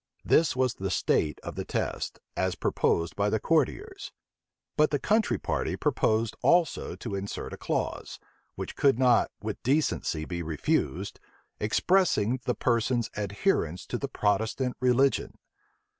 This was the state of the test, as proposed by the courtiers; but the country party proposed also to insert a clause, which could not with decency be refused, expressing the person's adherence to the Protestant religion.